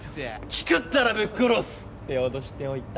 チクったらぶっ殺す！って脅しておいた。